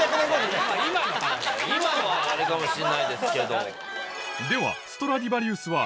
今はあれかもしれないですけど。